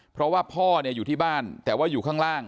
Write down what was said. เพราะว่าพ่ออยู่ที่บ้านแต่ว่าอยู่ข้างล่าง